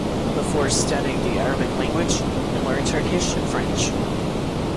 Before studying the Arabic language, he learned Turkish and French.